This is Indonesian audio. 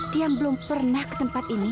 tiang belum pernah ke tempat ini